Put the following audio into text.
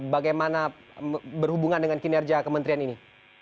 bagaimana berhubungan dengan kinerja kementerian ini